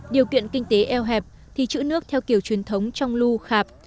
điều kiện kinh tế eo hẹp thì chữ nước theo kiểu truyền thống trong lưu khạp